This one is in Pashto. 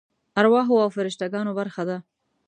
ارواحو او فرشته ګانو برخه ده.